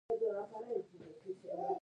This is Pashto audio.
د ګونګرونګانو شړنګېدل يې تر غوږ شول